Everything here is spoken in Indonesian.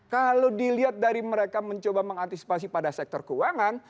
kalau dilihat dari mereka mencoba mengantisipasi pada sektor keuangan